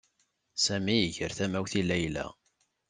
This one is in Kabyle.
Sami iger tamawt i Layla.